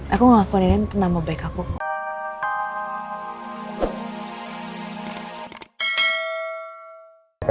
aku mau ngelakuin ini untuk nama baik aku